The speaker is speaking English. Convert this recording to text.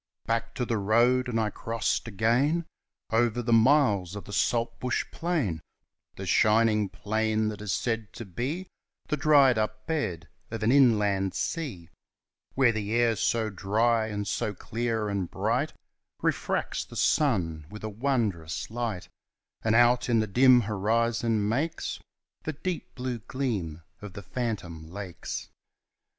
Back to the road, and I crossed again Over the miles of the saltbush plain The shining plain that is said to be The dried up bed of an inland sea, Where the air so dry and so clear and bright Refracts the sun with a wondrous light, And out in the dim horizon makes The deep blue gleam of the phantom lakes.